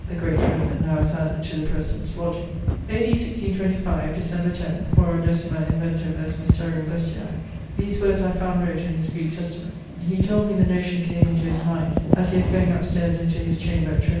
the great roome that nowe is added to the President's lodgeing). 'A.D. 1625, December 10ᵗʰ, hora decima inventum est Mysterium Bestiæ' these words I found wrote in his Greeke Testament. He told me the notion came into his mind as he was goeing up staires into his chamber at Trin.